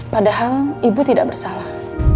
padahal ibu tidak bersalah